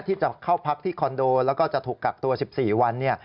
ที่จะเข้าพักที่คอนโดแล้วก็จะถูกกักตัว๑๔วัน